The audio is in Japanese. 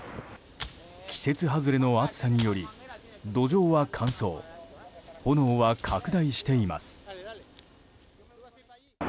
季節外れの暑さにより土壌は乾燥炎は拡大しています。